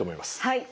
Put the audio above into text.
はい。